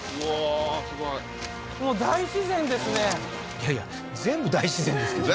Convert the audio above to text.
いやいや全部大自然ですけどね